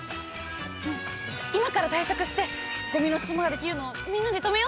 うん今から対策してごみの島ができるのをみんなで止めよ！